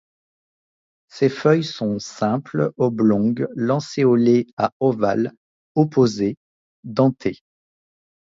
Ses feuilles sont simples oblongues, lancéolées à ovales, opposées, dentées.